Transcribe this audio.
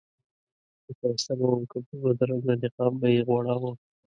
که ښایسته به و او که بدرنګه نقاب به یې غوړاوه.